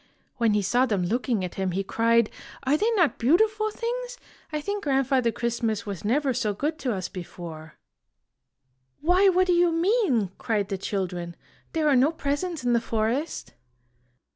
When he saw them looking at him, he cried: "Are they not beautiful things? I think Grand father Christmas was never so good to us before." 145 IN THE GREAT WALLED COUNTRY " Why, what do you mean?" cried the children. " There are no presents in the forest."